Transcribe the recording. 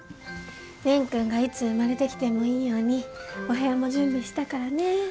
蓮くんがいつ生まれてきてもいいようにお部屋も準備したからね。